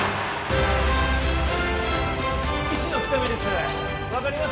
医師の喜多見です